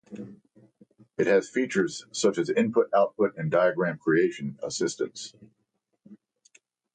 It has features such as input-output and diagram creation guidance.